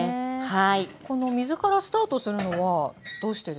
この水からスタートするのはどうしてですか？